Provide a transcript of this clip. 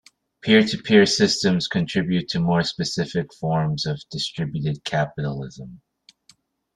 Peer-to-peer systems contribute to more specific forms of distributed capitalism.